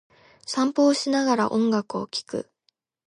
散歩をしながら、音楽を聴く。